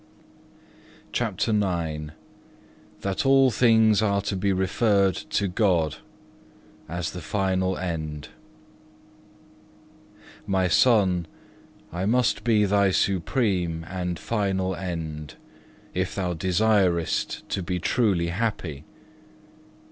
(1) Psalm lxxiii. 22. CHAPTER IX That all things are to be referred to God, as the final end "My Son, I must be thy Supreme and final end, if thou desirest to be truly happy.